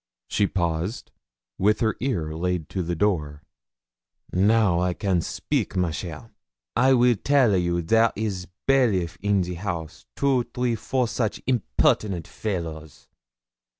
She paused, with her ear laid to the door. 'Now I can speak, ma chère; I weel tale a you there is bailiff in the house, two, three, four soche impertinent fallows!